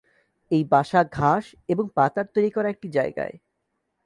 এই বাসা ঘাস এবং পাতার তৈরি করা একটি যায়গায়।